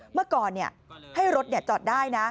เมื่อก่อนให้รถจอดได้นะ